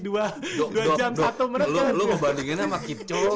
duk lu ngebandinginnya sama keep jogging